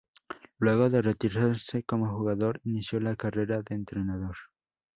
Luego de retirarse como jugador, inició la carrera de entrenador.